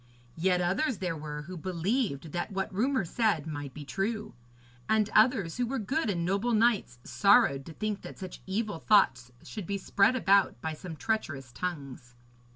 Yet others there were who believed that what rumour said might be true; and others, who were good and noble knights, sorrowed to think that such evil thoughts should be spread about by some treacherous tongues.